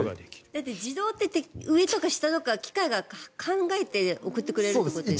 だって自動って上とか下とか機械が考えて送ってくれるんですよね。